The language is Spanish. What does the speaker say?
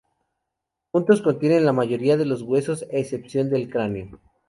Juntos contienen la mayoría de los huesos, a excepción del cráneo.